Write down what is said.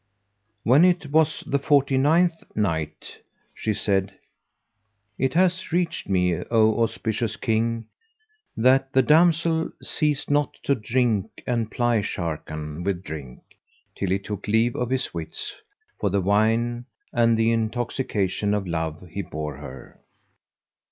When it was the Forty ninth Night, She said, It hath reached me, O auspicious King, that the damsel ceased not to drink and ply Sharrkan with drink till he took leave of his wits, for the wine and the intoxication of love he bore her.